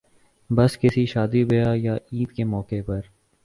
بس کسی شادی بیاہ یا عید کے موقع پر